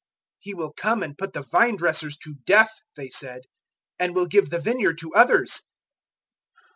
"He will come and put the vine dressers to death," they said; "and will give the vineyard to others."